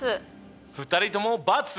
２人とも×！